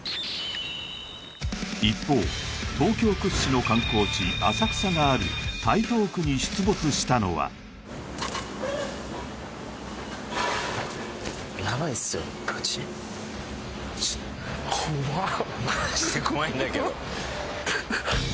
一方東京屈指の観光地浅草がある台東区に出没したのは怖っ